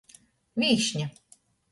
Vīšņa.